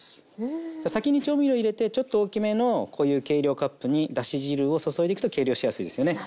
先に調味料入れてちょっと大きめのこういう計量カップにだし汁を注いでいくと計量しやすいですよね。